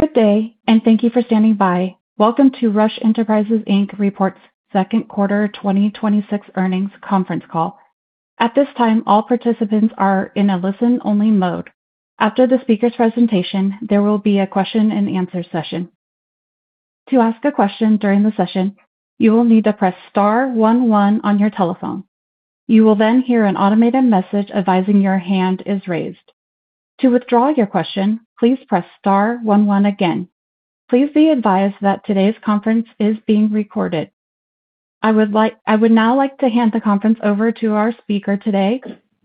Good day, and thank you for standing by. Welcome to Rush Enterprises Inc. second quarter 2026 earnings conference call. At this time, all participants are in a listen-only mode. After the speaker's presentation, there will be a question-and-answer session. To ask a question during the session, you will need to press star 11 on your telephone. You will then hear an automated message advising your hand is raised. To withdraw your question, please press star 11 again. Please be advised that today's conference is being recorded. I would now like to hand the conference over to our speaker today,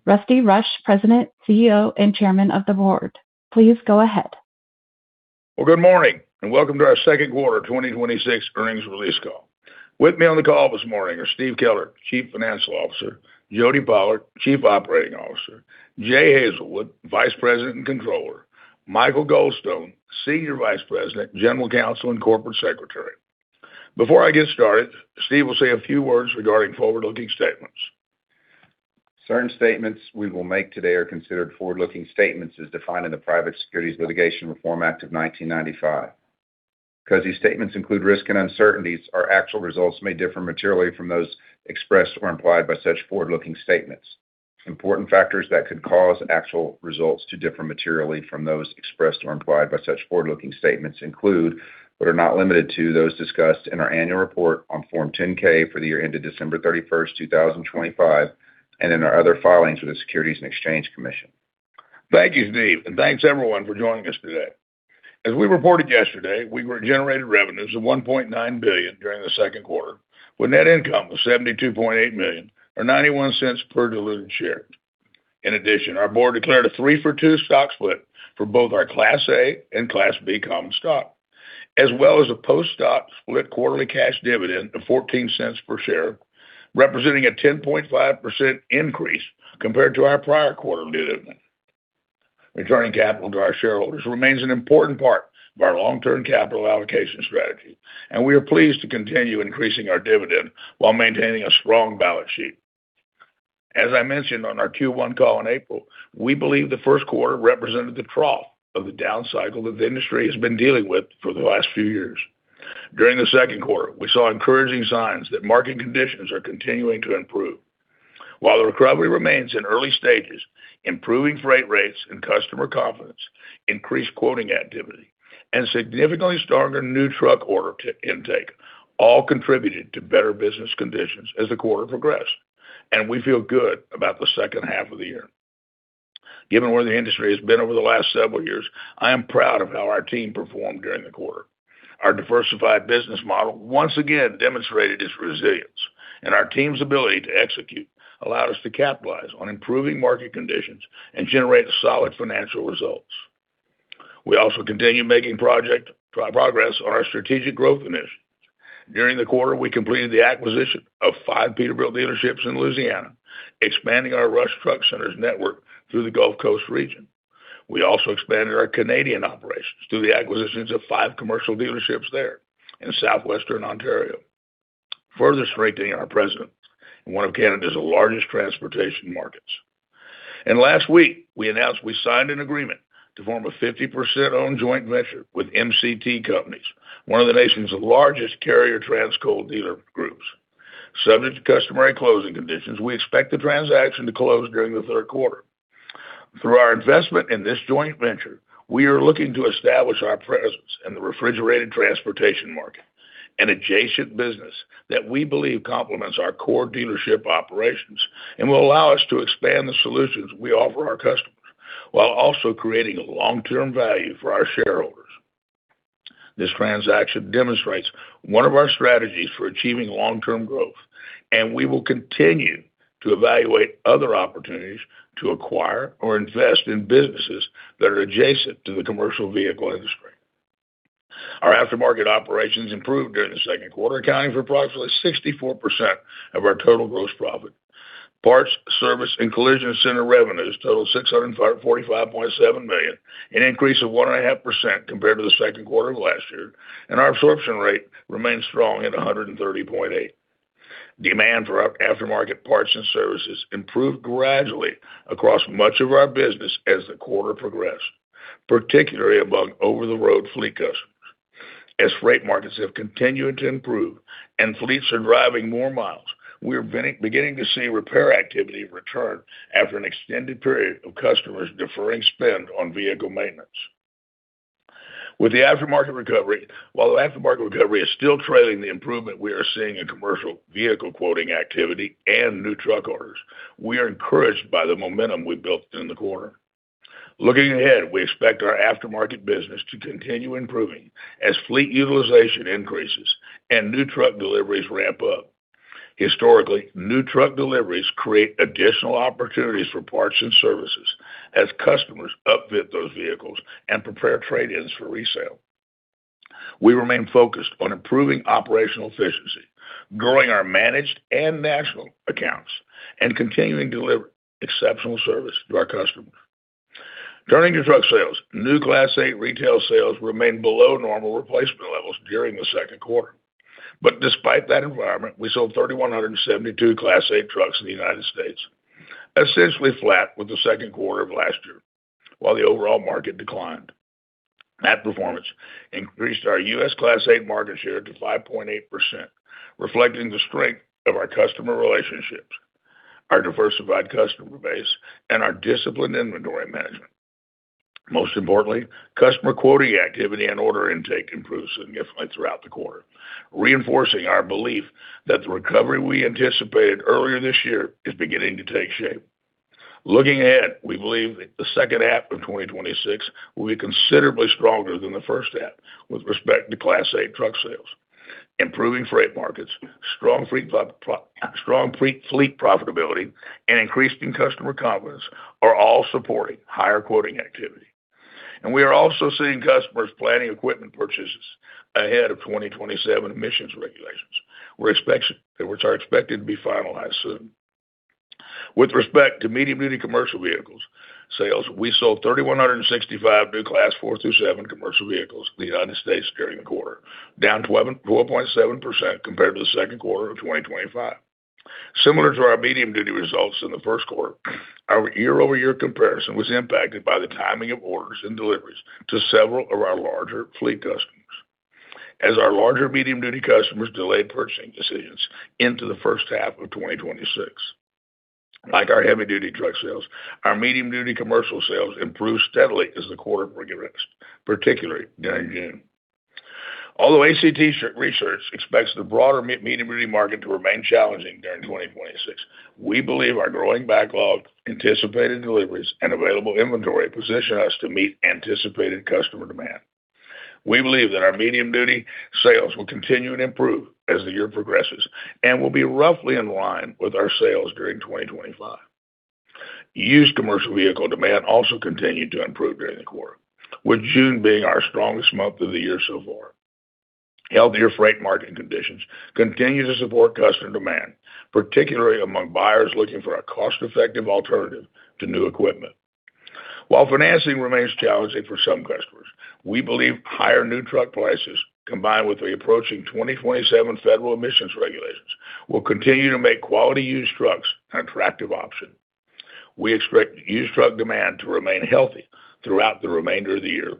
Rusty Rush, President, CEO, and Chairman of the Board. Please go ahead. Good morning, and welcome to our second quarter 2026 earnings release call. With me on the call this morning are Steve Keller, Chief Financial Officer, Jody Pollard, Chief Operating Officer, Jay Hazelwood, Vice President and Controller, Michael Goldstone, Senior Vice President, General Counsel, and Corporate Secretary. Before I get started, Steve will say a few words regarding forward-looking statements. Certain statements we will make today are considered forward-looking statements as defined in the Private Securities Litigation Reform Act of 1995. Because these statements include risks and uncertainties, our actual results may differ materially from those expressed or implied by such forward-looking statements. Important factors that could cause actual results to differ materially from those expressed or implied by such forward-looking statements include, but are not limited to, those discussed in our annual report on Form 10-K for the year ended December 31, 2025, and in our other filings with the Securities and Exchange Commission. Thank you, Steve. Thanks everyone for joining us today. As we reported yesterday, we generated revenues of $1.9 billion during the second quarter, with net income of $72.8 million, or $0.91 per diluted share. In addition, our Board declared a 3-for-2 stock split for both our Class A and Class B common stock, as well as a post-stock split quarterly cash dividend of $0.14 per share, representing a 10.5% increase compared to our prior quarterly dividend. Returning capital to our shareholders remains an important part of our long-term capital allocation strategy, and we are pleased to continue increasing our dividend while maintaining a strong balance sheet. As I mentioned on our Q1 call in April, we believe the first quarter represented the trough of the down cycle that the industry has been dealing with for the last few years. During the second quarter, we saw encouraging signs that market conditions are continuing to improve. While the recovery remains in early stages, improving freight rates and customer confidence, increased quoting activity, and significantly stronger new truck order intake all contributed to better business conditions as the quarter progressed. We feel good about the second half of the year. Given where the industry has been over the last several years, I am proud of how our team performed during the quarter. Our diversified business model once again demonstrated its resilience, and our team's ability to execute allowed us to capitalize on improving market conditions and generate solid financial results. We also continue making progress on our strategic growth initiatives. During the quarter, we completed the acquisition of five Peterbilt dealerships in Louisiana, expanding our Rush Truck Centers network through the Gulf Coast region. We also expanded our Canadian operations through the acquisitions of five commercial dealerships there in southwestern Ontario, further strengthening our presence in one of Canada's largest transportation markets. Last week, we announced we signed an agreement to form a 50%-owned joint venture with MCT Companies, one of the nation's largest Carrier Transicold dealer groups. Subject to customary closing conditions, we expect the transaction to close during the third quarter. Through our investment in this joint venture, we are looking to establish our presence in the refrigerated transportation market, an adjacent business that we believe complements our core dealership operations and will allow us to expand the solutions we offer our customers while also creating long-term value for our shareholders. This transaction demonstrates one of our strategies for achieving long-term growth. We will continue to evaluate other opportunities to acquire or invest in businesses that are adjacent to the commercial vehicle industry. Our aftermarket operations improved during the second quarter, accounting for approximately 64% of our total gross profit. Parts, service, and collision center revenues totaled $645.7 million, an increase of one and a half percent compared to the second quarter of last year, and our absorption rate remains strong at 130.8. Demand for our aftermarket parts and services improved gradually across much of our business as the quarter progressed, particularly among over-the-road fleet customers. As freight markets have continued to improve and fleets are driving more miles, we are beginning to see repair activity return after an extended period of customers deferring spend on vehicle maintenance. With the aftermarket recovery, while the aftermarket recovery is still trailing the improvement we are seeing in commercial vehicle quoting activity and new truck orders, we are encouraged by the momentum we built in the quarter. Looking ahead, we expect our aftermarket business to continue improving as fleet utilization increases and new truck deliveries ramp up. Historically, new truck deliveries create additional opportunities for parts and services as customers upfit those vehicles and prepare trade-ins for resale. We remain focused on improving operational efficiency, growing our managed and national accounts, and continuing to deliver exceptional service to our customers. Turning to truck sales, new Class eight retail sales remained below normal replacement levels during the second quarter. Despite that environment, we sold 3,172 Class eight trucks in the United States, essentially flat with the second quarter of last year, while the overall market declined. That performance increased our U.S. Class eight market share to 5.8%, reflecting the strength of our customer relationships, our diversified customer base, and our disciplined inventory management. Most importantly, customer quoting activity and order intake improved significantly throughout the quarter, reinforcing our belief that the recovery we anticipated earlier this year is beginning to take shape. Looking ahead, we believe that the second half of 2026 will be considerably stronger than the first half with respect to Class eight truck sales. Improving freight markets, strong fleet profitability, and increasing customer confidence are all supporting higher quoting activity. We are also seeing customers planning equipment purchases ahead of 2027 emissions regulations, which are expected to be finalized soon. With respect to medium-duty commercial vehicles sales, we sold 3,165 new Class four through seven commercial vehicles in the United States during the quarter, down 4.7% compared to the second quarter of 2025. Similar to our medium-duty results in the first quarter, our year-over-year comparison was impacted by the timing of orders and deliveries to several of our larger fleet customers, as our larger medium-duty customers delayed purchasing decisions into the first half of 2026. Like our heavy-duty truck sales, our medium-duty commercial sales improved steadily as the quarter progressed, particularly during June. Although ACT Research expects the broader medium-duty market to remain challenging during 2026, we believe our growing backlog, anticipated deliveries, and available inventory position us to meet anticipated customer demand. We believe that our medium-duty sales will continue to improve as the year progresses and will be roughly in line with our sales during 2025. Used commercial vehicle demand also continued to improve during the quarter, with June being our strongest month of the year so far. Healthier freight market conditions continue to support customer demand, particularly among buyers looking for a cost-effective alternative to new equipment. While financing remains challenging for some customers, we believe higher new truck prices, combined with the approaching 2027 federal emissions regulations, will continue to make quality used trucks an attractive option. We expect used truck demand to remain healthy throughout the remainder of the year.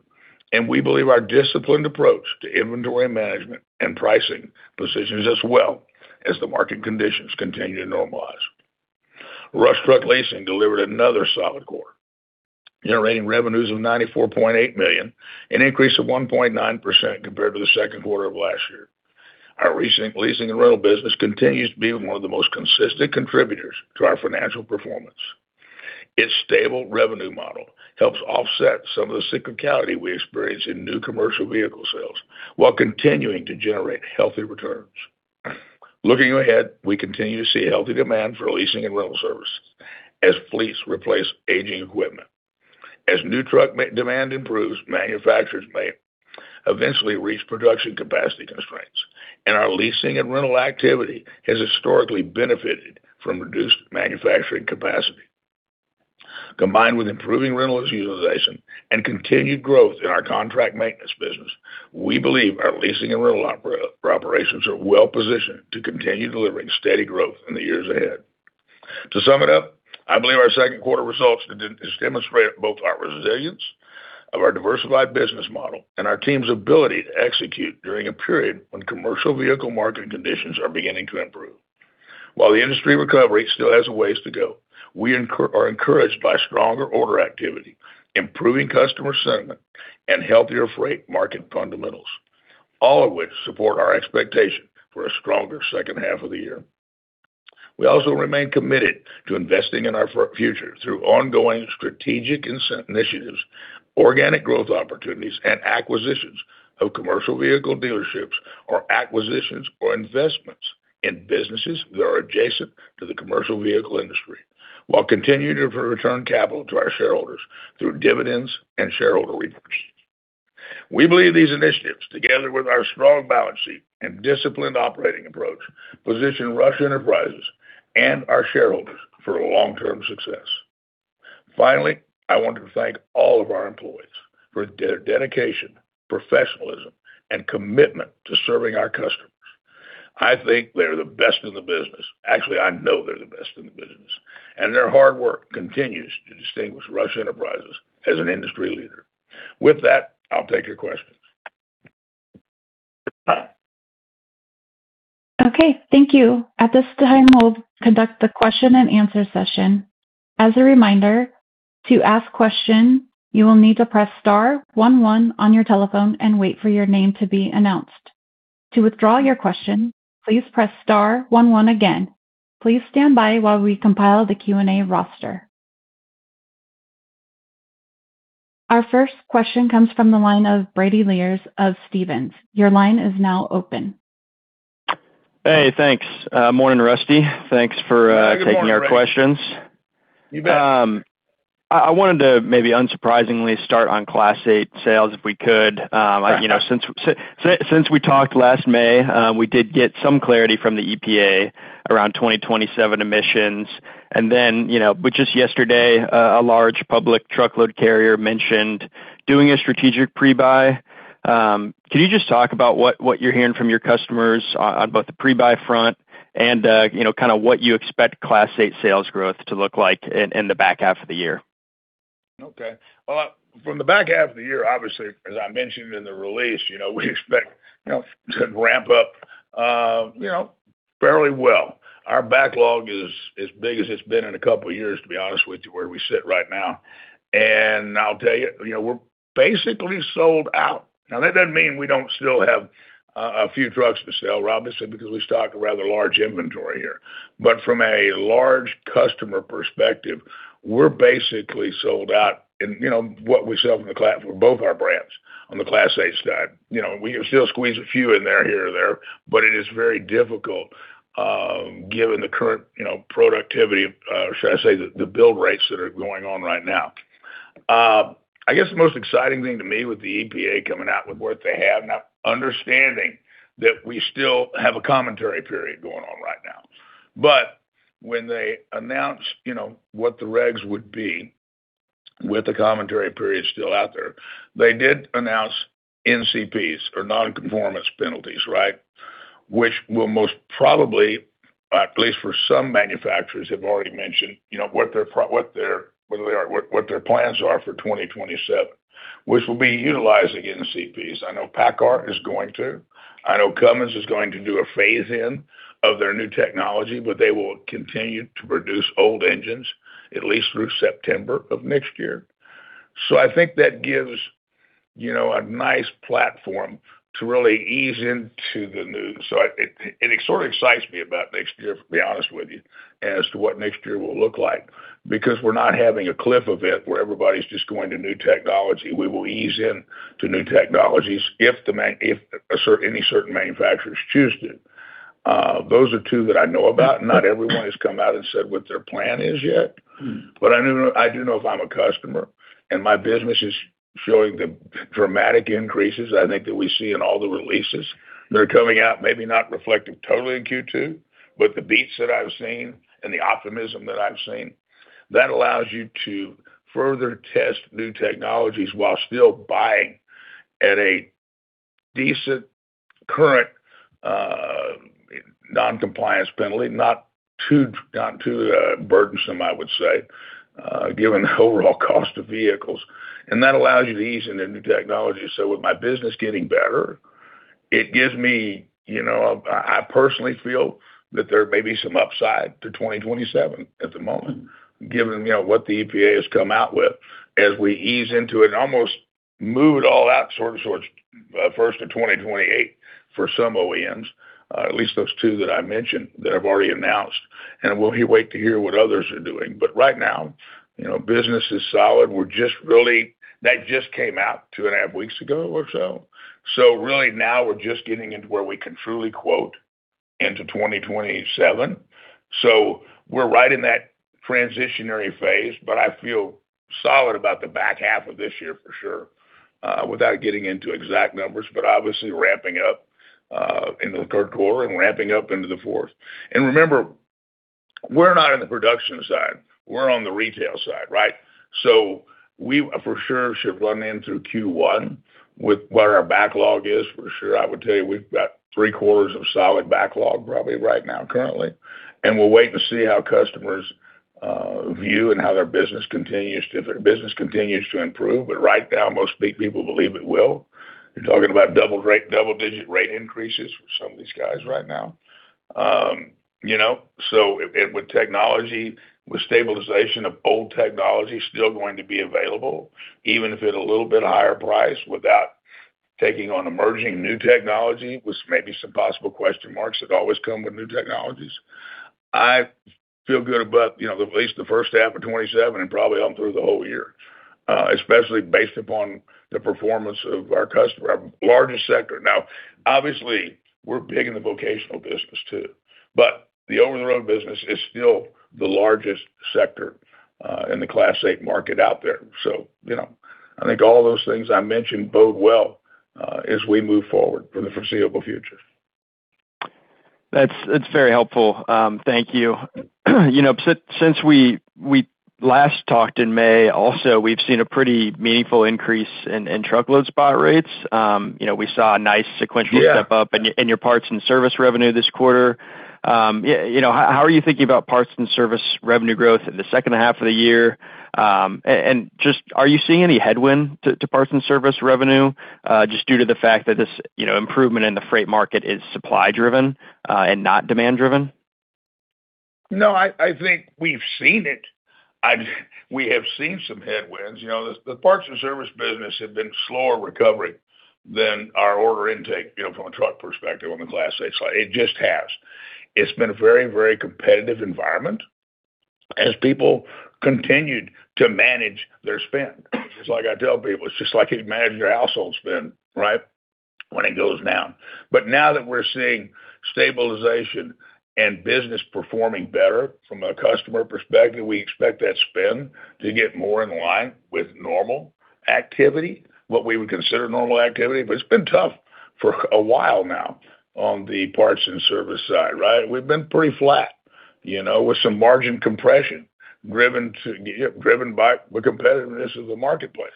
We believe our disciplined approach to inventory management and pricing positions us well as the market conditions continue to normalize. Rush Truck Leasing delivered another solid quarter, generating revenues of $94.8 million, an increase of 1.9% compared to the second quarter of last year. Its stable revenue model helps offset some of the cyclicality we experience in new commercial vehicle sales while continuing to generate healthy returns. Looking ahead, we continue to see healthy demand for leasing and rental services as fleets replace aging equipment. As new truck demand improves, manufacturers may eventually reach production capacity constraints. Our leasing and rental activity has historically benefited from reduced manufacturing capacity. Combined with improving rental utilization and continued growth in our contract maintenance business, we believe our leasing and rental operations are well positioned to continue delivering steady growth in the years ahead. To sum it up, I believe our second quarter results demonstrate both our resilience of our diversified business model and our team's ability to execute during a period when commercial vehicle market conditions are beginning to improve. While the industry recovery still has a ways to go, we are encouraged by stronger order activity, improving customer sentiment, and healthier freight market fundamentals, all of which support our expectation for a stronger second half of the year. We also remain committed to investing in our future through ongoing strategic initiatives, organic growth opportunities, and acquisitions of commercial vehicle dealerships or acquisitions or investments in businesses that are adjacent to the commercial vehicle industry, while continuing to return capital to our shareholders through dividends and shareholder repurchase. We believe these initiatives, together with our strong balance sheet and disciplined operating approach, position Rush Enterprises and our shareholders for long-term success. Finally, I want to thank all of our employees for their dedication, professionalism, and commitment to serving our customers. I think they're the best in the business. Actually, I know they're the best in the business, and their hard work continues to distinguish Rush Enterprises as an industry leader. With that, I'll take your questions. Okay, thank you. At this time, we'll conduct the question and answer session. As a reminder, to ask question, you will need to press star 11 on your telephone and wait for your name to be announced. To withdraw your question, please press star 11 again. Please stand by while we compile the Q&A roster. Our first question comes from the line of Brady Lears of Stephens. Your line is now open. Hey, thanks. Morning, Rusty. Thanks for. Good morning, Brady. -taking our questions. You bet. I wanted to maybe unsurprisingly start on Class eight sales if we could. Since we talked last May, we did get some clarity from the EPA around 2027 emissions, and then, but just yesterday, a large public truckload carrier mentioned doing a strategic pre-buy. Can you just talk about what you're hearing from your customers on both the pre-buy front and what you expect Class 8 sales growth to look like in the back half of the year? Well, from the back half of the year, obviously, as I mentioned in the release, we expect to ramp up fairly well. Our backlog is as big as it's been in a couple of years, to be honest with you, where we sit right now. I'll tell you, we're basically sold out. That doesn't mean we don't still have a few trucks to sell, obviously, because we stock a rather large inventory here. But from a large customer perspective, we're basically sold out in what we sell for both our brands on the Class eight side. We can still squeeze a few in there, here or there, but it is very difficult given the current productivity, or should I say, the build rates that are going on right now. I guess the most exciting thing to me with the EPA coming out with what they have now, understanding that we still have a commentary period going on right now. When they announce what the regs would be with the commentary period still out there, they did announce NCPs, or non-conformance penalties. Which will most probably, at least for some manufacturers, have already mentioned what their plans are for 2027, which will be utilizing NCPs. I know PACCAR is going to, I know Cummins is going to do a phase-in of their new technology, but they will continue to produce old engines at least through September of next year. I think that gives a nice platform to really ease into the new. It sort of excites me about next year, to be honest with you, as to what next year will look like, because we're not having a cliff event where everybody's just going to new technology. We will ease in to new technologies if any certain manufacturers choose to. Those are two that I know about. Not everyone has come out and said what their plan is yet, but I do know if I'm a customer and my business is showing the dramatic increases I think that we see in all the releases that are coming out, maybe not reflected totally in Q2, but the beats that I've seen and the optimism that I've seen, that allows you to further test new technologies while still buying at a decent current non-compliance penalty. Not too burdensome, I would say, given the overall cost of vehicles. That allows you to ease into new technology. With my business getting better, I personally feel that there may be some upside to 2027 at the moment, given what the EPA has come out with. As we ease into it, almost move it all out sort of towards first of 2028 for some OEMs, at least those two that I mentioned that have already announced, and we'll wait to hear what others are doing. Right now, business is solid. That just came out two and a half weeks ago or so. Really now we're just getting into where we can truly quote into 2027. We're right in that transitionary phase, but I feel solid about the back half of this year for sure, without getting into exact numbers, but obviously ramping up into the third quarter and ramping up into the fourth. Remember, we're not in the production side, we're on the retail side. We for sure should run in through Q1 with what our backlog is for sure. I would tell you we've got three quarters of solid backlog probably right now currently, and we'll wait to see how customers view and how their business continues. If their business continues to improve, but right now, most people believe it will. You're talking about double-digit rate increases for some of these guys right now. With technology, with stabilization of old technology still going to be available, even if at a little bit higher price, without taking on emerging new technology, with maybe some possible question marks that always come with new technologies, I feel good about at least the first half of 2027 and probably on through the whole year, especially based upon the performance of our customer, our largest sector. Obviously, we're big in the vocational business too, but the over-the-road business is still the largest sector in the Class 8 market out there. I think all those things I mentioned bode well as we move forward for the foreseeable future. That's very helpful. Thank you. Since we last talked in May also, we've seen a pretty meaningful increase in truckload spot rates. We saw a nice sequential Yeah step-up in your parts and service revenue this quarter. How are you thinking about parts and service revenue growth in the second half of the year? Just, are you seeing any headwind to parts and service revenue, just due to the fact that this improvement in the freight market is supply-driven and not demand-driven? No, I think we've seen it. We have seen some headwinds. The parts and service business have been slower recovery than our order intake from a truck perspective on the Class eight side. It just has. It's been a very competitive environment as people continued to manage their spend. Just like I tell people, it's just like you manage your household spend when it goes down. Now that we're seeing stabilization and business performing better from a customer perspective, we expect that spend to get more in line with normal activity, what we would consider normal activity. It's been tough for a while now on the parts and service side. We've been pretty flat. With some margin compression driven by the competitiveness of the marketplace.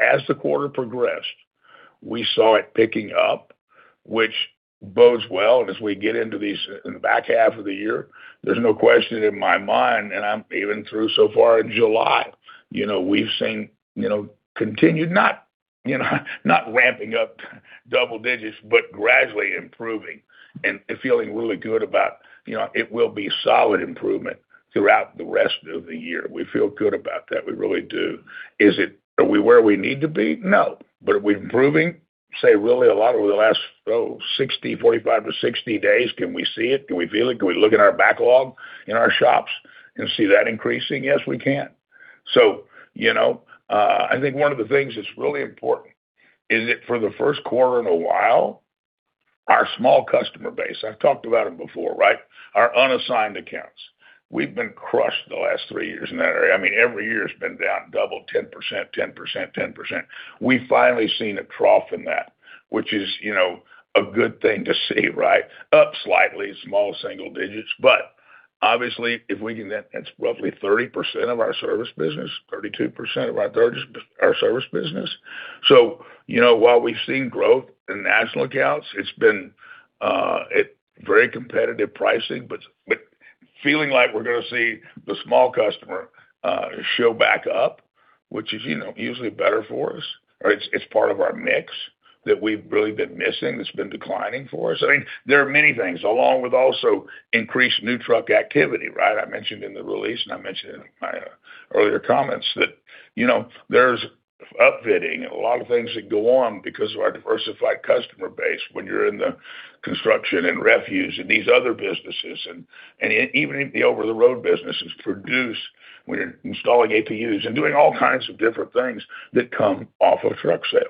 As the quarter progressed, we saw it picking up, which bodes well. As we get into the back half of the year, there's no question in my mind, and I'm even through so far in July, we've seen continued, not ramping up double-digits, but gradually improving and feeling really good about, it will be solid improvement throughout the rest of the year. We feel good about that. We really do. Are we where we need to be? No. Are we improving? Say really a lot over the last 45-60 days, can we see it? Can we feel it? Can we look in our backlog in our shops and see that increasing? Yes, we can. I think one of the things that's really important is that for the first quarter in a while, our small customer base, I've talked about them before. Our unassigned accounts. We've been crushed the last three years in that area. Every year it's been down double-digit 10%. We've finally seen a trough in that, which is a good thing to see. Up slightly, small single-digits. Obviously, that's roughly 30% of our service business, 32% of our service business. While we've seen growth in national accounts, it's been very competitive pricing, but feeling like we're going to see the small customer show back up, which is usually better for us, or it's part of our mix that we've really been missing, that's been declining for us. There are many things, along with also increased new truck activity. I mentioned in the release, and I mentioned in my earlier comments that, there's upfitting and a lot of things that go on because of our diversified customer base when you're in the construction and refuse and these other businesses, and even in the over-the-road businesses produce when you're installing APUs and doing all kinds of different things that come off of truck sales.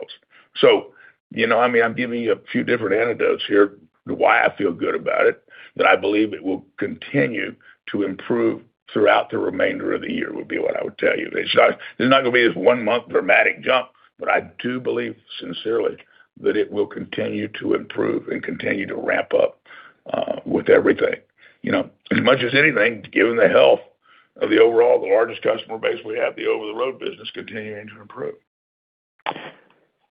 I'm giving you a few different anecdotes here to why I feel good about it, that I believe it will continue to improve throughout the remainder of the year, would be what I would tell you. There's not going to be this one-month dramatic jump, but I do believe sincerely that it will continue to improve and continue to ramp up with everything. As much as anything, given the health of the overall, the largest customer base we have, the over-the-road business continuing to improve.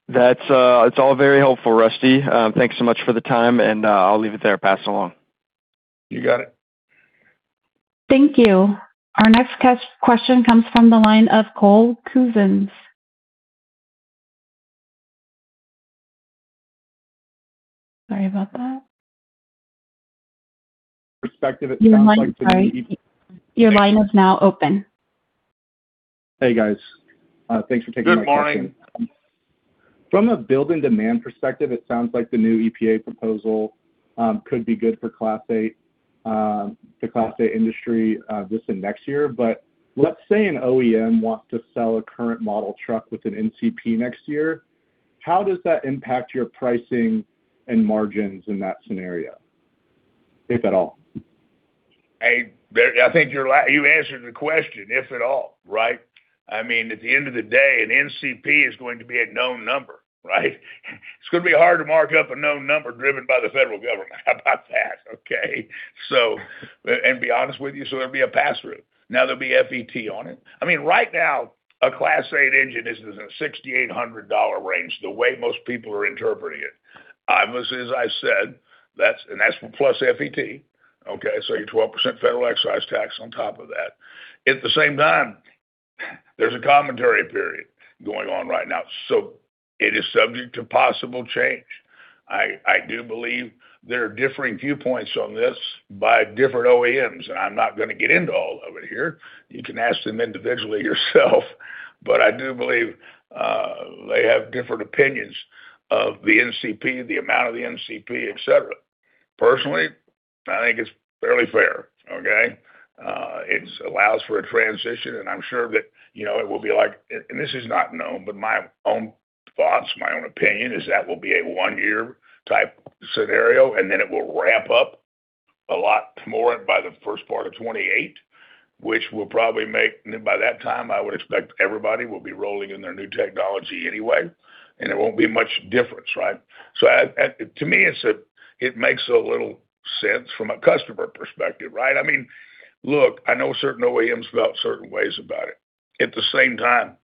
That's all very helpful, Rusty. Thanks so much for the time, and I'll leave it there. Pass along. You got it. Thank you. Our next question comes from the line of Cole Kuzens. Sorry about that. Perspective, it sounds like to me. Your line is now open. Hey, guys. Thanks for taking my question. Good morning. From a build and demand perspective, it sounds like the new EPA proposal could be good for the Class eight industry this and next year. Let's say an OEM wants to sell a current model truck with an NCP next year. How does that impact your pricing and margins in that scenario, if at all? I think you answered the question, if at all. At the end of the day, an NCP is going to be a known number. It's going to be hard to mark up a known number driven by the federal government. How about that? Okay. To be honest with you, there'll be a pass-through. There'll be FET on it. Right now, a Class 8 engine is in the $6,800 range, the way most people are interpreting it. As I said, that's plus FET. Your 12% federal excise tax on top of that. At the same time, there's a commentary period going on right now, so it is subject to possible change. I do believe there are differing viewpoints on this by different OEMs, and I'm not going to get into all of it here. You can ask them individually yourself, but I do believe they have different opinions of the NCP, the amount of the NCP, et cetera. Personally, I think it's fairly fair. It allows for a transition, I'm sure that it will be like this is not known, but my own thoughts, my own opinion, is that will be a one-year type scenario, and then it will ramp up a lot more by the first part of 2028, which will probably make, by that time, I would expect everybody will be rolling in their new technology anyway, and it won't be much difference. To me, it makes a little sense from a customer perspective. Look, I know certain OEMs felt certain ways about it. At the same time,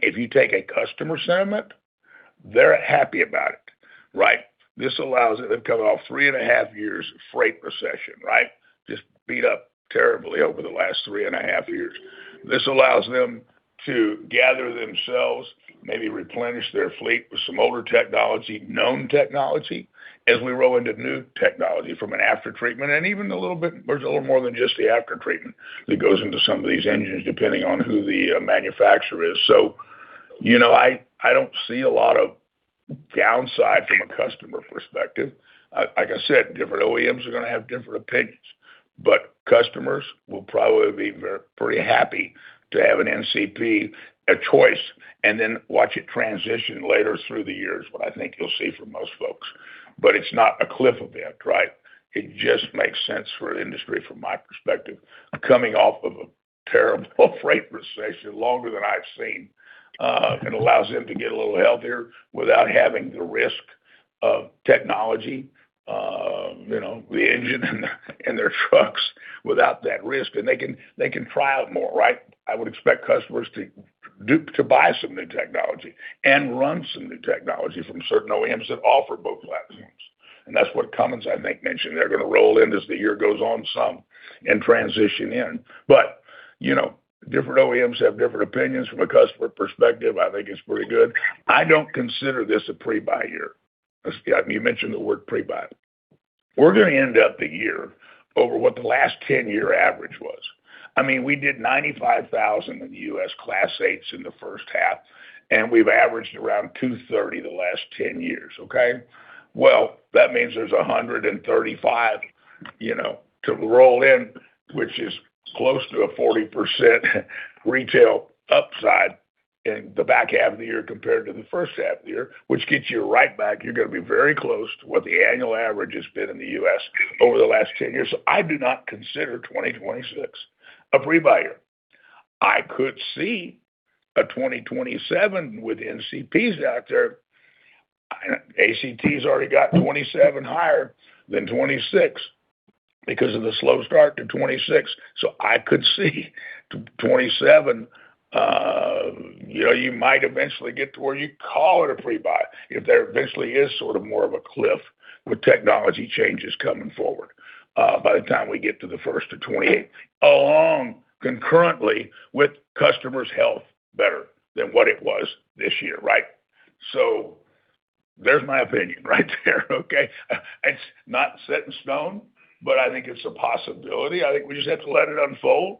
if you take a customer sentiment, they're happy about it. This allows them to come off three and a half years of freight recession. Just beat up terribly over the last three and a half years. This allows them to gather themselves, maybe replenish their fleet with some older technology, known technology, as we roll into new technology from an aftertreatment and even a little bit, there's a little more than just the aftertreatment that goes into some of these engines, depending on who the manufacturer is. I don't see a lot of downside from a customer perspective. Like I said, different OEMs are going to have different opinions, but customers will probably be pretty happy to have an NCP, a choice, and then watch it transition later through the years, what I think you'll see for most folks. It's not a cliff event. It just makes sense for an industry, from my perspective, coming off of a terrible freight recession, longer than I've seen. It allows them to get a little healthier without having the risk of technology, the engine in their trucks without that risk, and they can try out more, right? I would expect customers to buy some new technology and run some new technology from certain OEMs that offer both platforms. That's what Cummins, I think, mentioned. They're going to roll in as the year goes on some and transition in. Different OEMs have different opinions from a customer perspective. I think it's pretty good. I don't consider this a pre-buy year. You mentioned the word pre-buy. We're going to end up the year over what the last 10-year average was. We did 95,000 in the U.S. Class 8s in the first half, and we've averaged around 230 the last 10 years, okay? Well, that means there's 135 to roll in, which is close to a 40% retail upside in the back half of the year compared to the first half of the year, which gets you right back. You're going to be very close to what the annual average has been in the U.S. over the last 10 years. I do not consider 2026 a pre-buy year. I could see a 2027 with NCPs out there. ACT has already got 2027 higher than 2026 because of the slow start to 2026. I could see 2027, you might eventually get to where you call it a pre-buy if there eventually is sort of more of a cliff with technology changes coming forward, by the time we get to the first of 2028, along concurrently with customers' health better than what it was this year, right? There's my opinion right there, okay? It's not set in stone, but I think it's a possibility. I think we just have to let it unfold.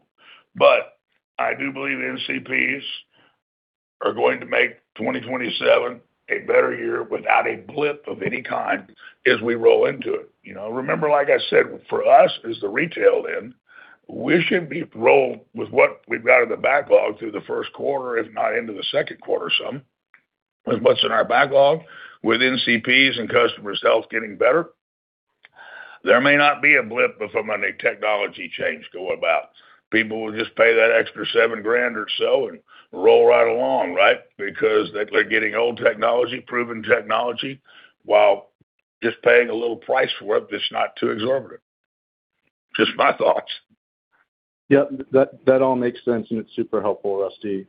I do believe NCPs are going to make 2027 a better year without a blip of any kind as we roll into it. Remember, like I said, for us as the retail then, we should be rolled with what we've got in the backlog through the first quarter, if not into the second quarter, some, with what's in our backlog. With NCPs and customers' health getting better, there may not be a blip if a technology change go about. People will just pay that extra $7,000 or so and roll right along, right? Because they're getting old technology, proven technology, while just paying a little price for it that's not too exorbitant. Just my thoughts. That all makes sense, and it's super helpful, Rusty.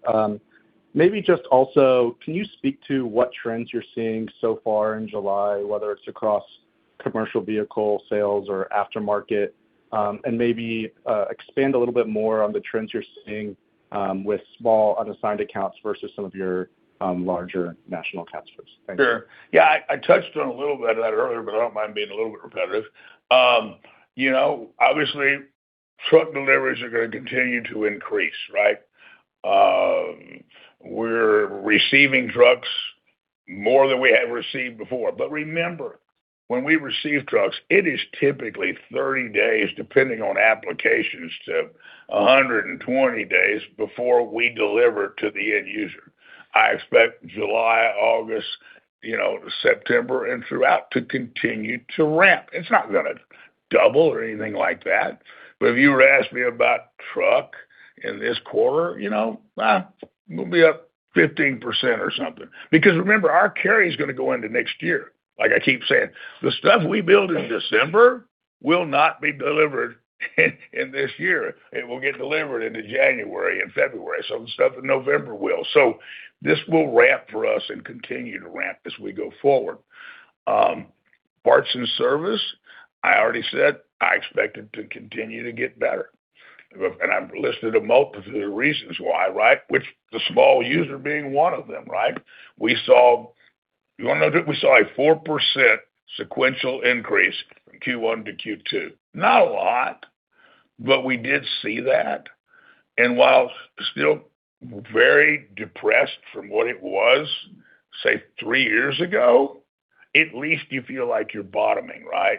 Maybe just also, can you speak to what trends you're seeing so far in July, whether it's across commercial vehicle sales or aftermarket, and maybe expand a little bit more on the trends you're seeing with small unassigned accounts versus some of your larger national accounts please? Thank you. Sure. Yeah, I touched on a little bit of that earlier, I don't mind being a little bit repetitive. Obviously, truck deliveries are going to continue to increase, right? We're receiving trucks more than we have received before. Remember, when we receive trucks, it is typically 30 days, depending on applications, to 120 days before we deliver to the end user. I expect July, August, September and throughout to continue to ramp. It's not going to double or anything like that, but if you were to ask me about truck in this quarter, we'll be up 15% or something. Remember, our carry is going to go into next year. Like I keep saying, the stuff we build in December will not be delivered in this year. It will get delivered into January and February. Some stuff in November will. This will ramp for us and continue to ramp as we go forward. Parts and service, I already said I expect it to continue to get better. I've listed a multitude of reasons why, right? Which the small user being one of them, right? We saw a 4% sequential increase from Q1 to Q2. Not a lot, but we did see that. While still very depressed from what it was, say, three years ago, at least you feel like you're bottoming, right?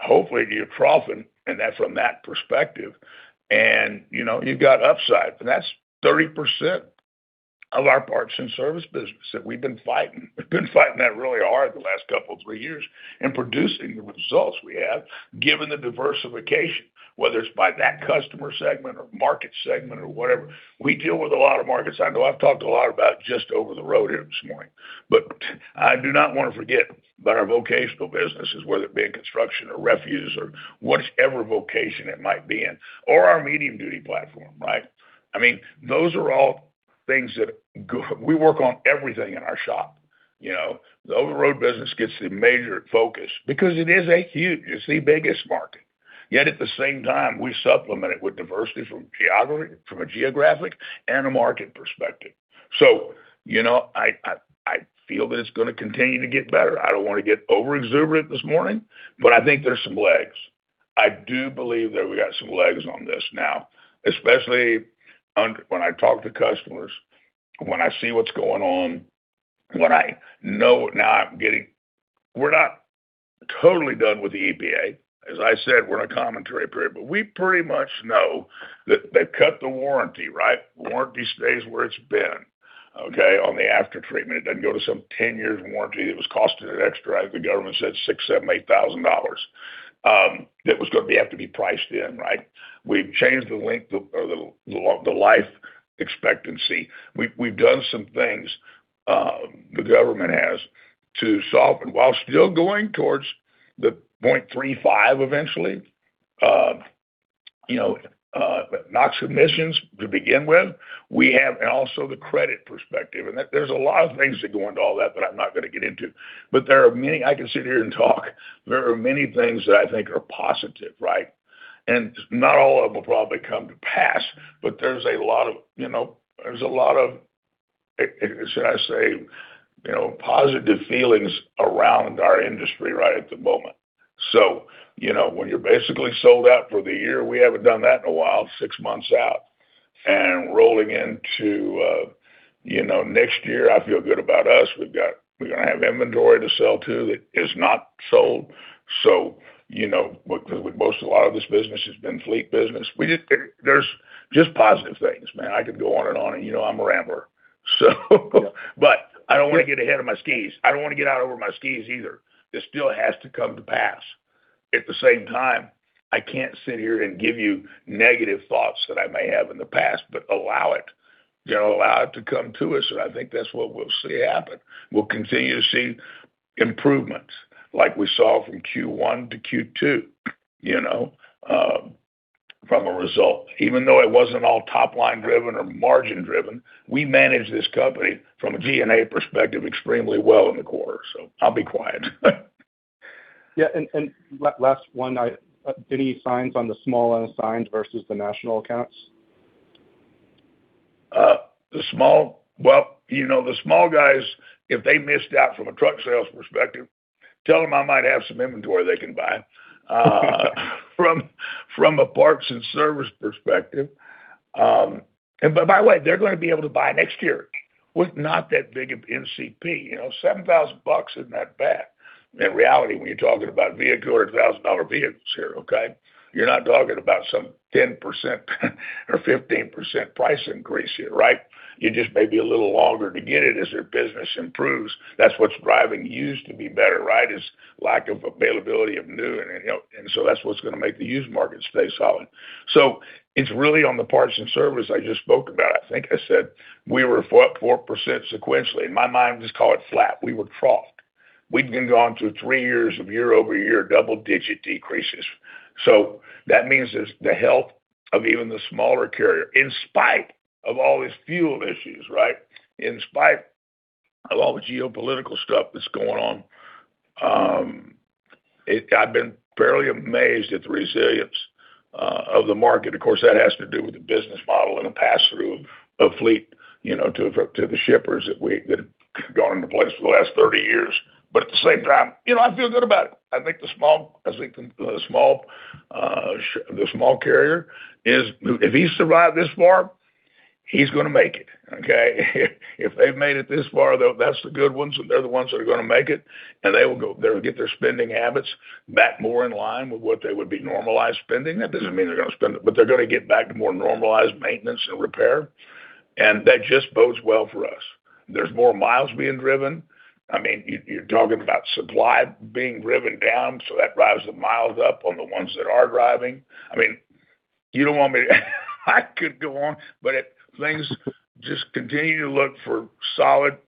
Hopefully you're profiting and that from that perspective and you've got upside. That's 30% of our parts and service business that we've been fighting. We've been fighting that really hard the last couple, three years and producing the results we have, given the diversification, whether it's by that customer segment or market segment or whatever. We deal with a lot of markets. I know I've talked a lot about just over-the-road here this morning, I do not want to forget about our vocational businesses, whether it be in construction or refuse or whatever vocation it might be in, or our medium-duty platform, right? Those are all things that go. We work on everything in our shop. The over-the-road business gets the major focus because it is a huge, it's the biggest market. Yet at the same time, we supplement it with diversity from a geographic and a market perspective. I feel that it's going to continue to get better. I don't want to get over-exuberant this morning, I think there's some legs. I do believe that we got some legs on this now, especially when I talk to customers, when I see what's going on. We're not totally done with the EPA. As I said, we're in a commentary period, we pretty much know that they've cut the warranty, right? Warranty stays where it's been, okay, on the after-treatment. It doesn't go to some 10 years warranty that was costing an extra, the government said six, seven, $8,000. That was going to have to be priced in, right? We've changed the length of the life expectancy. We've done some things, the government has, to solve, and while still going towards the 0.35 eventually, NOx submissions to begin with. We have also the credit perspective, there's a lot of things that go into all that, I'm not going to get into. There are many. I can sit here and talk. There are many things that I think are positive, right? Not all of them will probably come to pass, but there's a lot of, should I say, positive feelings around our industry right at the moment. When you're basically sold out for the year, we haven't done that in a while, six months out. Rolling into next year, I feel good about us. We're going to have inventory to sell to that is not sold. Because with most, a lot of this business has been fleet business. There's just positive things, man. I could go on and on. I'm a rambler, so, but I don't want to get ahead of my skis. I don't want to get out over my skis either. This still has to come to pass. At the same time, I can't sit here and give you negative thoughts that I may have in the past. Allow it. Allow it to come to us, and I think that's what we'll see happen. We'll continue to see improvements like we saw from Q1 to Q2 from a result. Even though it wasn't all top-line driven or margin driven, we managed this company from a G&A perspective extremely well in the quarter. I'll be quiet. Yeah, last one. Any signs on the small unassigned versus the national accounts? The small, well, the small guys, if they missed out from a truck sales perspective, tell them I might have some inventory they can buy from a parts and service perspective. By the way, they're going to be able to buy next year with not that big of NCP. $7,000 isn't that bad. In reality, when you're talking about vehicle or $1,000 vehicles here, okay? You're not talking about some 10% or 15% price increase here, right? You just may be a little longer to get it as their business improves. That's what's driving used to be better, right? Is lack of availability of new, that's what's going to make the used market stay solid. It's really on the parts and service I just spoke about. I think I said we were up 4% sequentially. In my mind, just call it flat. We were trough. We'd been going through three years of year-over-year double-digit decreases. That means it's the health of even the smaller carrier, in spite of all these fuel issues, right? In spite of all the geopolitical stuff that's going on. I've been fairly amazed at the resilience of the market. Of course, that has to do with the business model and the pass-through of fleet to the shippers that have gone into place for the last 30 years. At the same time, I feel good about it. I think the small carrier is, if he's survived this far, he's going to make it, okay? If they've made it this far, though, that's the good ones, and they're the ones that are going to make it, and they will go. They'll get their spending habits back more in line with what they would be normalized spending. That doesn't mean they're going to spend, but they're going to get back to more normalized maintenance and repair, and that just bodes well for us. There's more miles being driven. You're talking about supply being driven down, that drives the miles up on the ones that are driving. I could go on. Things just continue to look for solid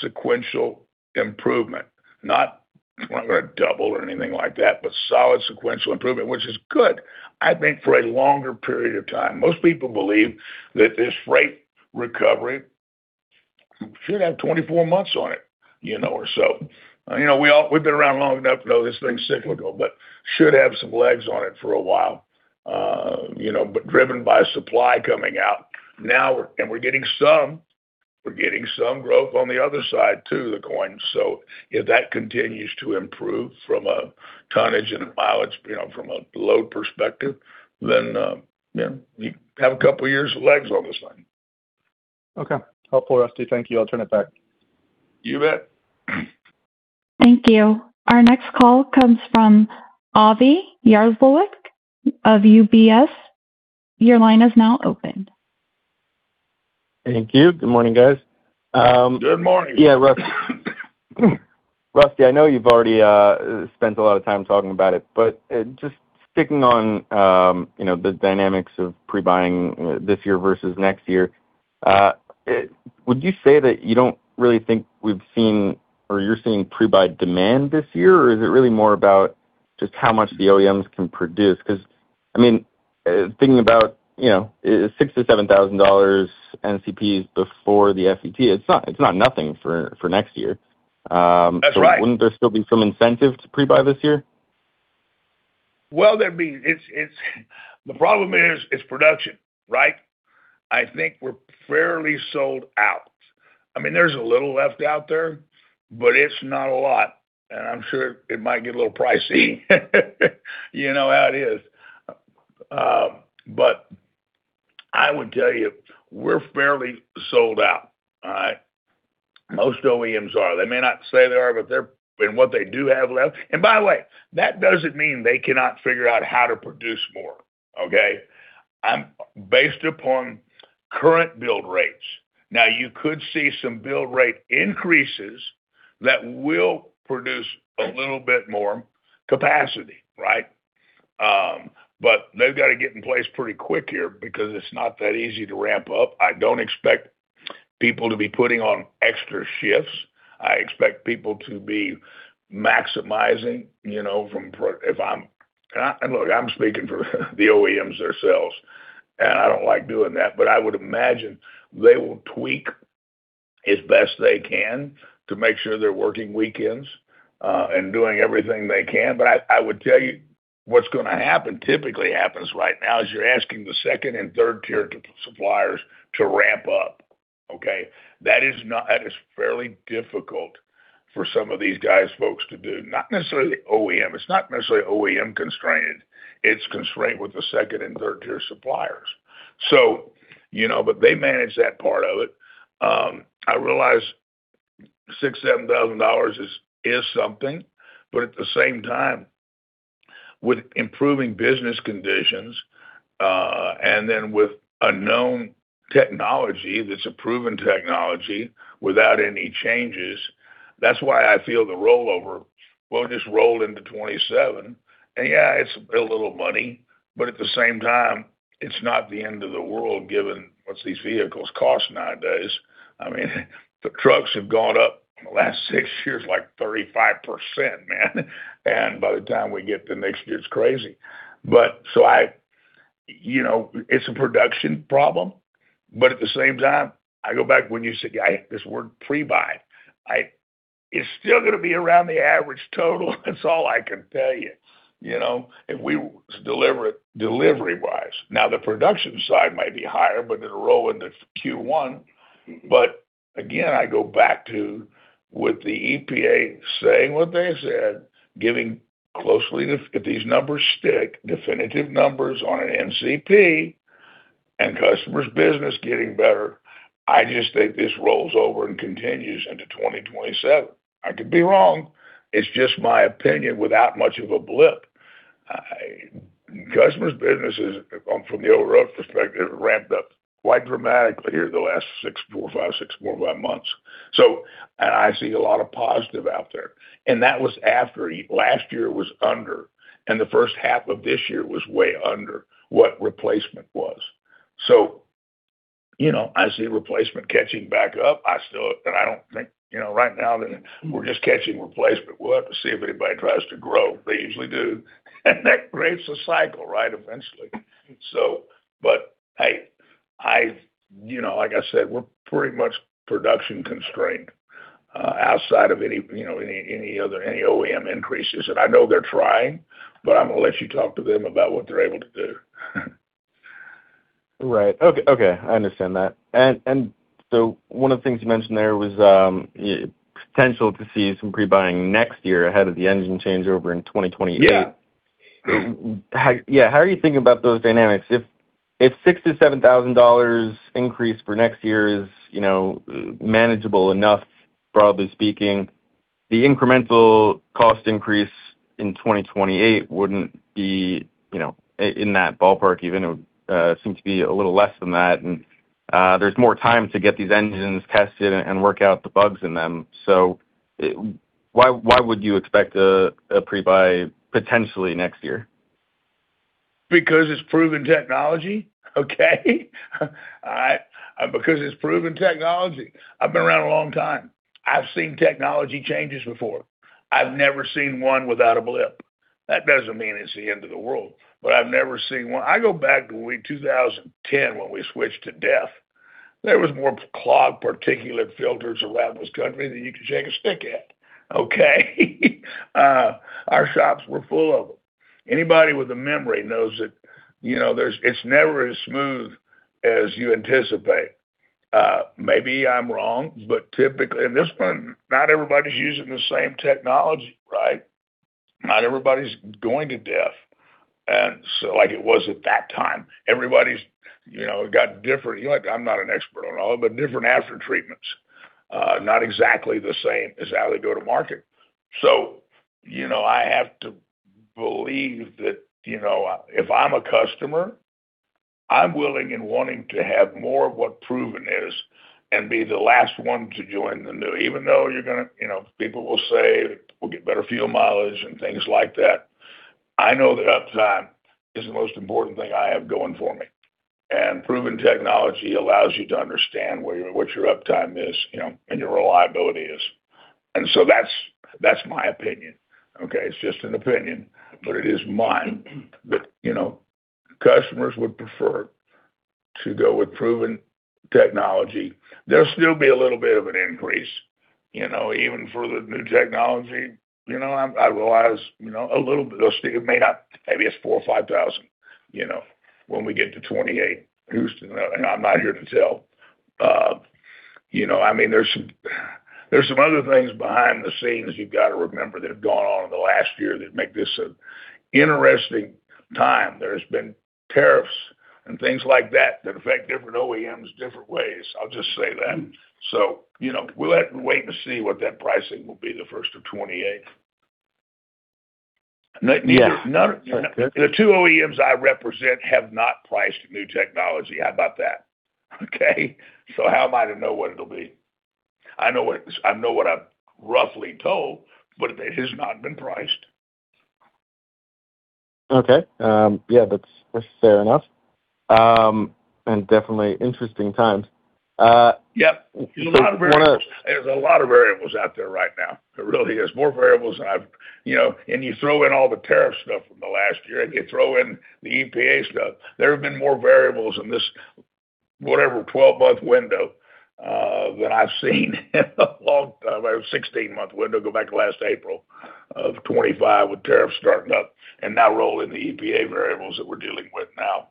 sequential improvement. Not we're going to double or anything like that, solid sequential improvement, which is good, I think, for a longer period of time. Most people believe that this freight recovery should have 24 months on it or so. We've been around long enough to know this thing's cyclical but should have some legs on it for a while. Driven by supply coming out. We're getting some growth on the other side, too, the coin. If that continues to improve from a tonnage and a mileage, from a load perspective, you have a couple years of legs on this thing. Okay. Helpful, Rusty. Thank you. I'll turn it back. You bet. Thank you. Our next call comes from Avi Yarilovitz of UBS. Your line is now open. Thank you. Good morning, guys. Good morning. Yeah, Rusty, I know you've already spent a lot of time talking about it, but just sticking on the dynamics of pre-buying this year versus next year, would you say that you don't really think we've seen or you're seeing pre-buy demand this year? Or is it really more about just how much the OEMs can produce? Because thinking about $6,000-$7,000 NCPs before the FET, it's not nothing for next year. That's right. Wouldn't there still be some incentive to pre-buy this year? Well, the problem is production, right? I think we're fairly sold out. There's a little left out there, but it's not a lot, and I'm sure it might get a little pricey. You know how it is. I would tell you, we're fairly sold out. All right? Most OEMs are. They may not say they are, but what they do have left-- By the way, that doesn't mean they cannot figure out how to produce more, okay? Based upon current build rates, you could see some build rate increases that will produce a little bit more capacity. They've got to get in place pretty quick here because it's not that easy to ramp up. I don't expect people to be putting on extra shifts. I expect people to be maximizing. Look, I'm speaking for the OEMs themselves, and I don't like doing that. I would imagine they will tweak as best they can to make sure they're working weekends, and doing everything they can. I would tell you, what's going to happen, typically happens right now, is you're asking the second and third-tier suppliers to ramp up. Okay? That is fairly difficult for some of these folks to do. Not necessarily the OEM. It's not necessarily OEM constrained. It's constrained with the second and third-tier suppliers. They manage that part of it. I realize $6,000, $7,000 is something. At the same time, with improving business conditions, and then with a known technology, that's a proven technology, without any changes, that's why I feel the rollover will just roll into 2027. Yeah, it's a little money, but at the same time, it's not the end of the world given what these vehicles cost nowadays. The trucks have gone up in the last six years, like 35%, man. By the time we get to next year, it's crazy. It's a production problem. At the same time, I go back when you said, I hate this word, pre-buy. It's still going to be around the average total, that's all I can tell you, delivery-wise. The production side might be higher, but it'll roll into Q1. Again, I go back to, with the EPA saying what they said, if these numbers stick, definitive numbers on an NCP, and customers' business getting better, I just think this rolls over and continues into 2027. I could be wrong. It's just my opinion, without much of a blip. Customers' businesses, from the old road perspective, ramped up quite dramatically here the last four or five, six months. I see a lot of positive out there. That was after last year was under, and the first half of this year was way under what replacement was. I see replacement catching back up. Right now, we're just catching replacement. We'll have to see if anybody tries to grow. They usually do. That creates a cycle, eventually. Like I said, we're pretty much production constrained, outside of any OEM increases. I know they're trying, but I'm going to let you talk to them about what they're able to do. Right. Okay. I understand that. One of the things you mentioned there was potential to see some pre-buying next year ahead of the engine changeover in 2028. Yeah. How are you thinking about those dynamics? If $6,000 to $7,000 increase for next year is manageable enough, broadly speaking, the incremental cost increase in 2028 wouldn't be in that ballpark even. It would seem to be a little less than that. There's more time to get these engines tested and work out the bugs in them. Why would you expect a pre-buy potentially next year? Because it's proven technology. Okay? Because it's proven technology. I've been around a long time. I've seen technology changes before. I've never seen one without a blip. That doesn't mean it's the end of the world, but I've never seen one. I go back to 2010, when we switched to DEF. There was more clogged particulate filters around this country than you could shake a stick at. Okay? Our shops were full of them. Anybody with a memory knows that it's never as smooth as you anticipate. Maybe I'm wrong, but typically, in this one, not everybody's using the same technology. Not everybody's going to DEF like it was at that time. I'm not an expert on all of them, but different after-treatments. Not exactly the same as how they go to market. I have to believe that if I'm a customer, I'm willing and wanting to have more of what proven is and be the last one to join the new. Even though people will say, "We'll get better fuel mileage" and things like that. I know that uptime is the most important thing I have going for me. Proven technology allows you to understand what your uptime is, and your reliability is. That's my opinion. It's just an opinion, but it is mine, that customers would prefer to go with proven technology. There'll still be a little bit of an increase, even for the new technology. I realize maybe it's $4,000 or $5,000, when we get to 2028. Who's to know? I'm not here to tell. There's some other things behind the scenes you've got to remember that have gone on in the last year that make this an interesting time. There's been tariffs and things like that affect different OEMs different ways. I'll just say that. We'll have to wait and see what that pricing will be the first of 2028. Neither. Yeah. The two OEMs I represent have not priced new technology. How about that? Okay. How am I to know what it'll be? I know what I'm roughly told, but it has not been priced. Okay. Yeah, that's fair enough. Definitely interesting times. Yep. There's a lot of variables out there right now. There really is. You throw in all the tariff stuff from the last year, you throw in the EPA stuff. There have been more variables in this, whatever, 12-month window, than I've seen in a long time. A 16-month window, go back last April of 2025 with tariffs starting up, now roll in the EPA variables that we're dealing with now.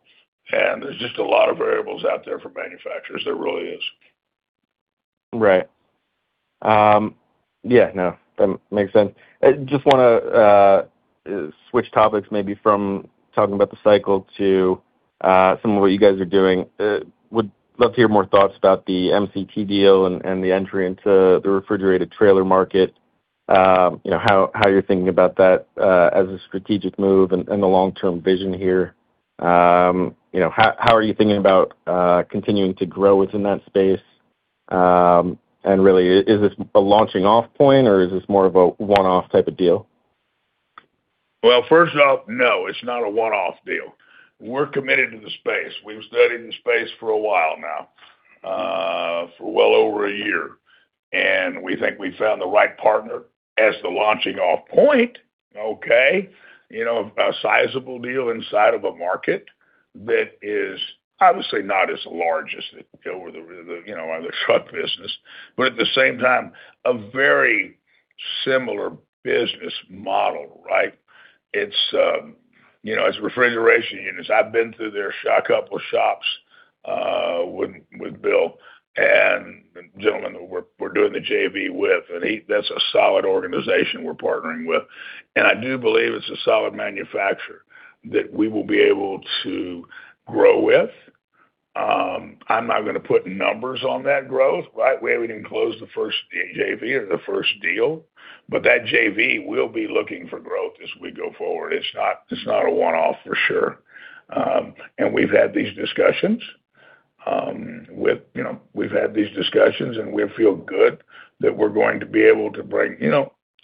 There's just a lot of variables out there for manufacturers. There really is. Right. Yeah, no, that makes sense. I just want to switch topics maybe from talking about the cycle to some of what you guys are doing. Would love to hear more thoughts about the MCT deal and the entry into the refrigerated trailer market. How you're thinking about that as a strategic move and the long-term vision here. How are you thinking about continuing to grow within that space? Really, is this a launching off point, or is this more of a one-off type of deal? Well, first off, no, it's not a one-off deal. We're committed to the space. We've studied the space for a while now, for well over a year, and we think we found the right partner as the launching off point. Okay. A sizable deal inside of a market that is obviously not as large as the truck business, but at the same time, a very similar business model, right? It's refrigeration units. I've been through their couple shops, with Bill and the gentleman that we're doing the JV with, and that's a solid organization we're partnering with. I do believe it's a solid manufacturer that we will be able to grow with. I'm not going to put numbers on that growth, right? We haven't even closed the first JV or the first deal. That JV will be looking for growth as we go forward. It's not a one-off, for sure. We've had these discussions. We've had these discussions, and we feel good that we're going to be able to bring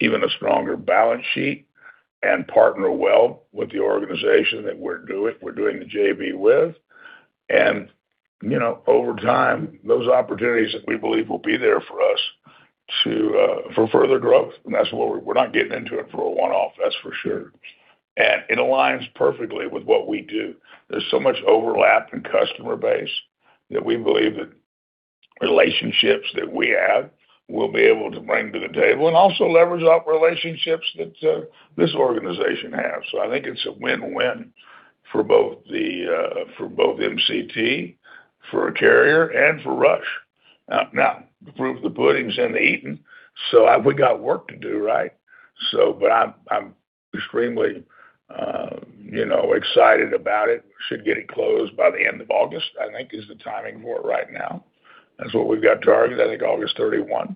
even a stronger balance sheet and partner well with the organization that we're doing the JV with. Over time, those opportunities that we believe will be there for us for further growth. That's what we're not getting into it for a one-off, that's for sure. It aligns perfectly with what we do. There's so much overlap in customer base that we believe that relationships that we have, we'll be able to bring to the table and also leverage off relationships that this organization has. I think it's a win-win for both MCT, for a Carrier, and for Rush. Now, the proof of the pudding is in the eating, so we got work to do, right? I'm extremely excited about it. Should get it closed by the end of August, I think, is the timing for it right now. That's what we've got targeted, I think August 31.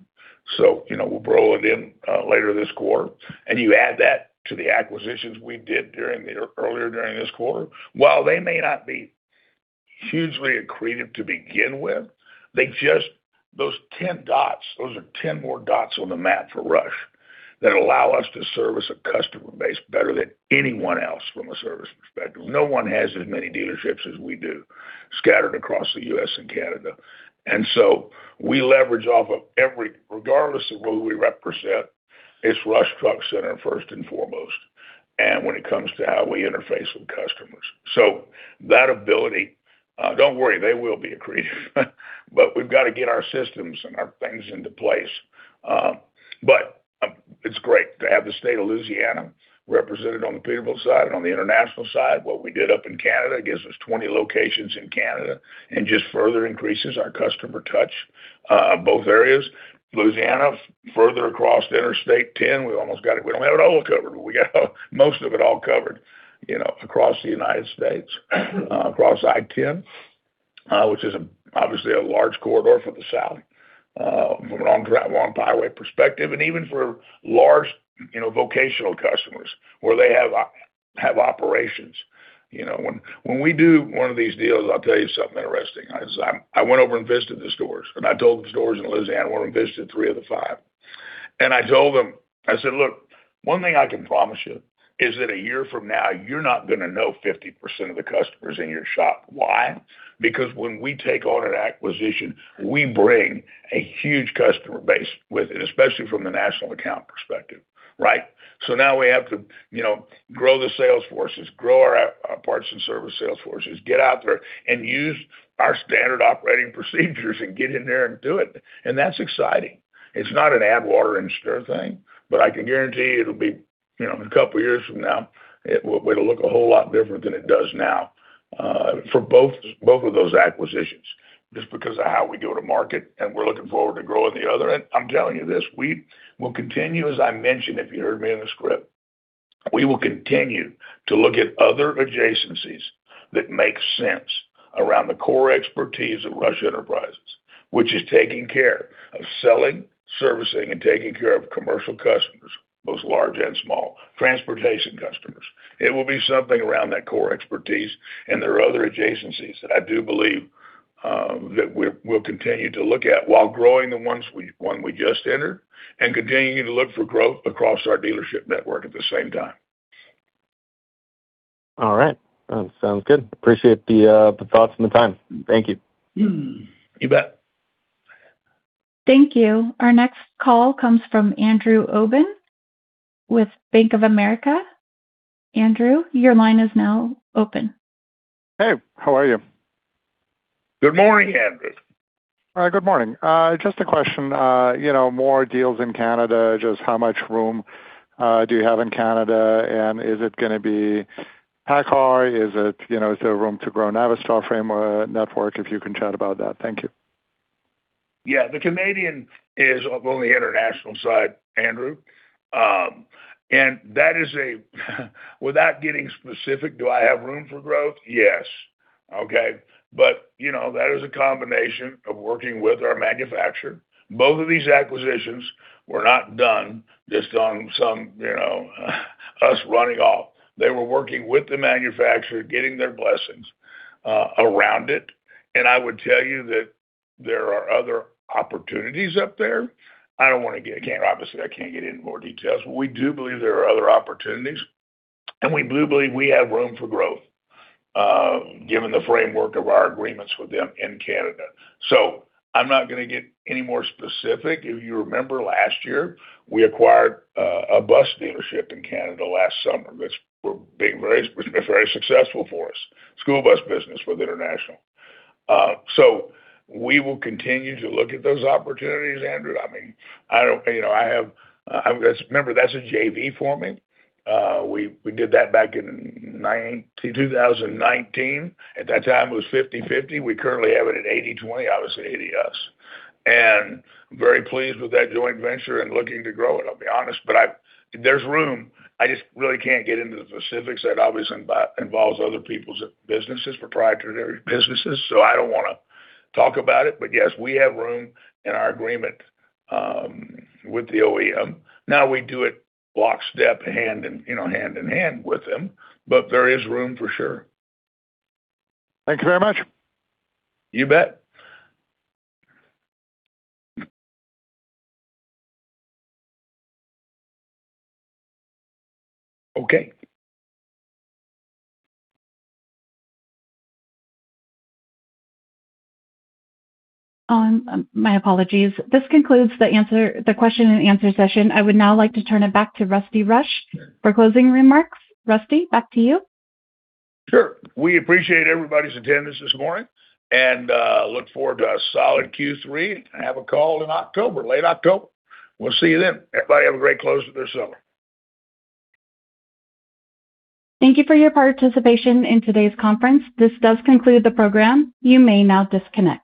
We'll roll it in later this quarter. You add that to the acquisitions we did earlier during this quarter. While they may not be hugely accretive to begin with, those 10 dots, those are 10 more dots on the map for Rush that allow us to service a customer base better than anyone else from a service perspective. No one has as many dealerships as we do scattered across the U.S. and Canada. We leverage off of every, regardless of who we represent, it's Rush Truck Center first and foremost, and when it comes to how we interface with customers. That ability, don't worry, they will be accretive, but we've got to get our systems and our things into place. It's great to have the state of Louisiana represented on the Peterbilt side and on the International side. What we did up in Canada, I guess there's 20 locations in Canada, and just further increases our customer touch, both areas. Louisiana, further across the Interstate 10, we almost got it. We don't have it all covered, but we got most of it all covered across the U.S., across I-10, which is obviously a large corridor for the South, from a long highway perspective, and even for large vocational customers where they have operations. When we do one of these deals, I'll tell you something interesting. I went over and visited the stores, and I told the stores in Louisiana, I went and visited three of the five. I told them, I said, "Look, one thing I can promise you is that a year from now, you're not going to know 50% of the customers in your shop. Why? Because when we take on an acquisition, we bring a huge customer base with it, especially from the national account perspective." Right? Now we have to grow the sales forces, grow our parts and service sales forces, get out there and use our standard operating procedures and get in there and do it. That's exciting. It's not an add water and stir thing, I can guarantee it'll be, a couple years from now, it'll look a whole lot different than it does now, for both of those acquisitions, just because of how we go to market, and we're looking forward to growing the other. I'm telling you this, we will continue, as I mentioned, if you heard me in the script, we will continue to look at other adjacencies that make sense around the core expertise of Rush Enterprises, which is taking care of selling, servicing, and taking care of commercial customers, both large and small, transportation customers. It will be something around that core expertise. There are other adjacencies that I do believe that we'll continue to look at while growing the one we just entered and continuing to look for growth across our dealership network at the same time. All right. Sounds good. Appreciate the thoughts and the time. Thank you. You bet. Thank you. Our next call comes from Andrew Obin with Bank of America. Andrew, your line is now open. Hey, how are you? Good morning, Andrew. Good morning. Just a question, more deals in Canada, just how much room do you have in Canada, and is it going to be PACCAR? Is there room to grow Navistar frame or network, if you can chat about that? Thank you. Yeah. The International side, Andrew. Without getting specific, do I have room for growth? Yes. Okay. That is a combination of working with our manufacturer. Both of these acquisitions were not done just us running off. They were working with the manufacturer, getting their blessings around it. I would tell you that there are other opportunities up there. Obviously, I can't get into more details, but we do believe there are other opportunities, and we do believe we have room for growth, given the framework of our agreements with them in Canada. I'm not going to get any more specific. If you remember last year, we acquired a bus dealership in Canada last summer, which has been very successful for us. School bus business with International. We will continue to look at those opportunities, Andrew. Remember, that's a JV for me. We did that back in 2019. At that time, it was 50/50. We currently have it at 80/20, obviously 80 us. Very pleased with that joint venture and looking to grow it, I'll be honest. There's room. I just really can't get into the specifics. That obviously involves other people's businesses, proprietary businesses. I don't want to talk about it. Yes, we have room in our agreement with the OEM. Now we do it lockstep hand in hand with them. There is room for sure. Thank you very much. You bet. Okay. My apologies. This concludes the question and answer session. I would now like to turn it back to Rusty Rush for closing remarks. Rusty, back to you. Sure. We appreciate everybody's attendance this morning and look forward to a solid Q3 and have a call in October, late October. We'll see you then. Everybody have a great close to their summer. Thank you for your participation in today's conference. This does conclude the program. You may now disconnect.